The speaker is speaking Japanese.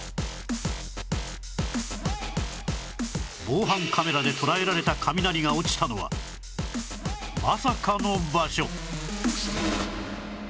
防犯カメラで捉えられた雷が落ちたのはまさかの場所